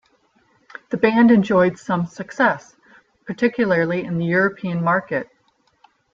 The band enjoyed some success, particularly in the European market.